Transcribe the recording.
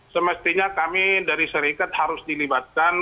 semestinya kami dari serikat harus dilibatkan